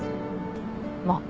まあ